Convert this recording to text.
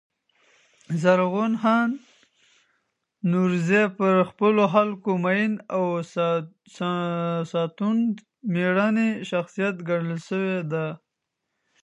زرغون خان نورزي پر خپلو خلکو مین او ساتندوی مېړنی شخصیت ګڼل سوی دﺉ.